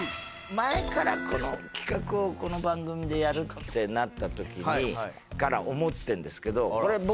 前からこの企画をこの番組でやるってなった時から思ってるんですけど。